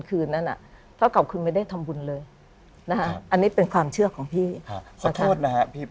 คุณซูซี่คุณซูซี่คุณซูซี่คุณซูซี่